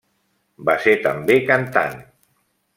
Va ser també cantant.